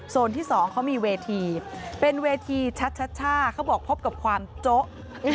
ที่สองเขามีเวทีเป็นเวทีชัดเขาบอกพบกับความโจ๊ะ